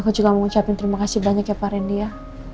aku juga mengucapkan terima kasih banyak ya pak rendia